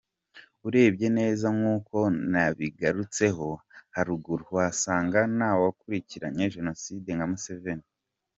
Urebye neza nk’uko nabigarutseho haruguru, wasanga nta wakurikiranye Jenoside nka Museveni.”